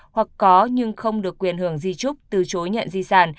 hoặc có nhưng không được quyền hưởng di trúc từ chối nhận di sản